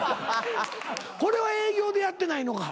これは営業でやってないのか。